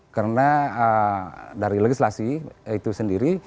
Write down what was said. karena dari legislasi itu sendiri